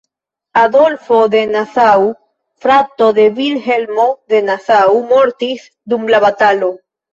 Adolfo de Nassau, frato de Vilhelmo de Nassau, mortis dum la batalo.